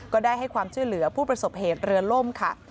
ได้ให้ความช่วยเหลือผู้ประสบเหตุเรือล่มค่ะ